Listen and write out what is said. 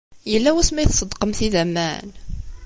Yella wasmi ay tṣeddqemt idammen?